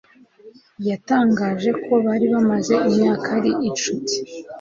Yatangaje ko bari bamaze imyaka ari inshuti